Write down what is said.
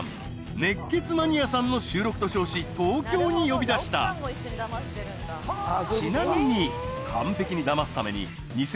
「熱血マニアさん！」の収録と称し東京に呼び出したちなみに完璧にダマすために